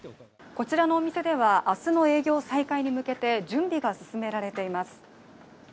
こちらのお店では明日の営業再開に向けて準備が進められています。